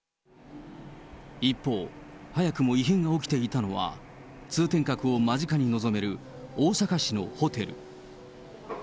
一方、早くも異変が起きていたのは、通天閣を間近に望める大阪市のホテル。